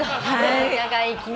長生きね。